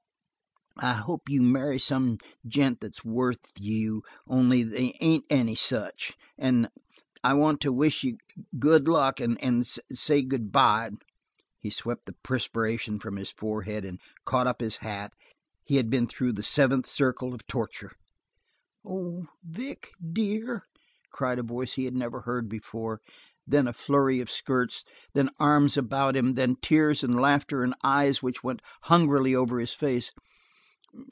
"I hope you marry some gent that's worth you, only they ain't any such. An' I want to wish you good luck, an' say good by " He swept the perspiration from his forehead, and caught up his hat; he had been through the seventh circle of torture. "Oh, Vic, dear!" cried a voice he had never heard before. Then a flurry of skirts, then arms about him, then tears and laughter, and eyes which went hungrily over his face.